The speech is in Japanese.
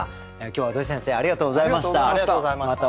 今日は土井先生ありがとうございました。